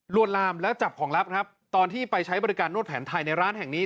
วนลามแล้วจับของลับครับตอนที่ไปใช้บริการนวดแผนไทยในร้านแห่งนี้